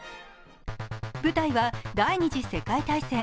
舞台は第二次世界単線。